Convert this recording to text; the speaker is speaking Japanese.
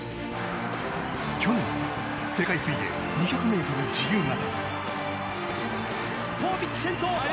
去年、世界水泳２００ｍ自由形。